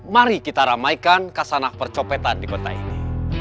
mari kita ramaikan kasanah percopetan di kota ini